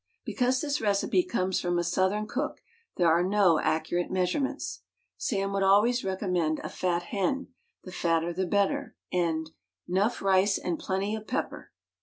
Because this recipe comes from a Southern cook, there are no accurate measurements. Sam would always recommend a "fat hen" — "the fatter the better," and " 'nough rice and plenty of pepper."